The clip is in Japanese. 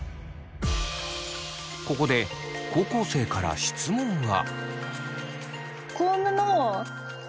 ここで高校生から質問が。